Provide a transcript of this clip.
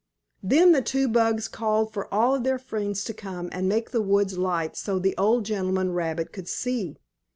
Then the two bugs called for all of their friends to come and make the woods light so the old gentleman rabbit could see.